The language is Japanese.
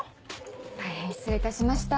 大変失礼いたしました。